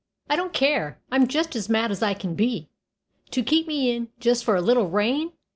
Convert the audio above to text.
"I don't care I'm just as mad as I can be. To keep me in just for a little rain!